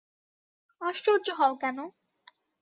আশ্চর্য হও কেন?